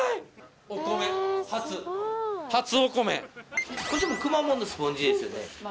お米初初お米これくまモンのスポンジですよね